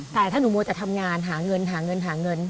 แต่ถ้าหนูโมจจากทำงานหาเงิน